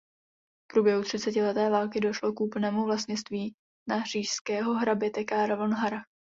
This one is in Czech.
V průběhu třicetileté války došlo k úplnému vlastnictví na říšského hraběte "Carl von Harrach".